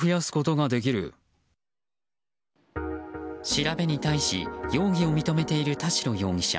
調べに対し容疑を認めている田代容疑者。